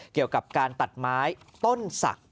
เกี่ยวกับการตัดไม้ต้นศักดิ์